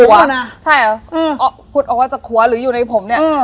หัวใช่อ่ะอ่าคุดออกมาจากหัวหรืออยู่ในผมเนี้ยอืม